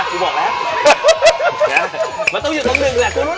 กรูมาต้องอยู่ตรง๑นแหละ